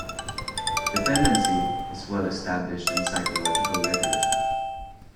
"Dependency" is well-established in psychological literature.